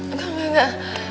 enggak enggak enggak